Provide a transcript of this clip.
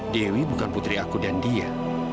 dewi bukan putri aku dan dia